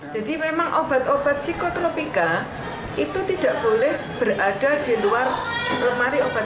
jadi memang obat obat psikotropika itu tidak boleh berada di luar lemari obat